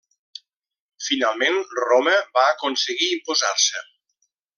Finalment, Roma va aconseguir imposar-se.